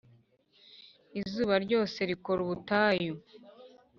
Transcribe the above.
izuba ryose rikora ubutayu